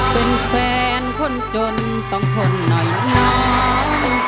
เป็นแฟนคนจนต้องทนหน่อยน้อง